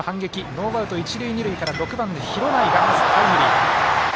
ノーアウト、一塁二塁から６番の廣内がまずタイムリー。